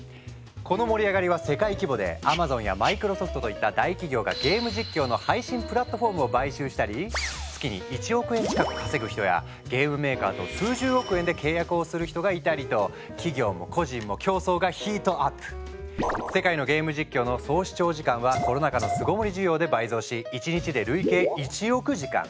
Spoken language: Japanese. この盛り上がりは世界規模でＡｍａｚｏｎやＭｉｃｒｏｓｏｆｔといった大企業がゲーム実況の配信プラットフォームを買収したり月に１億円近く稼ぐ人やゲームメーカーと数十億円で契約をする人がいたりと企業も個人も競争がヒートアップ！はコロナ禍の巣ごもり需要で倍増し１日で累計１億時間。